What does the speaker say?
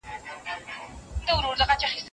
تخلیق به وده وکړي.